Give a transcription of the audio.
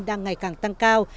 đang ngày càng tăng cao